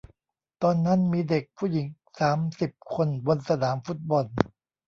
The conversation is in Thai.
ตอนนั้นมีเด็กผู้หญิงสามสิบคนบนสนามฟุตบอล